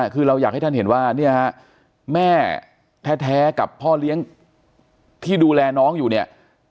คือเราอยากให้ท่านเห็นว่าเนี่ยฮะแม่แท้กับพ่อเลี้ยงที่ดูแลน้องอยู่เนี่ย